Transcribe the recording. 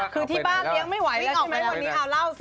คือที่บ้านยังไม่ไหวแล้วใช่ไหมวันนี้เอาเล่าสิ